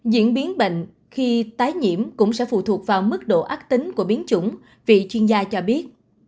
diễn biến bệnh khi tái nhiễm cũng sẽ phụ thuộc vào mức độ ác tính của biến chủng vị chuyên gia cho biết